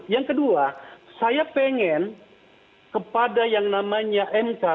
yang kedua saya pengen kepada yang namanya mk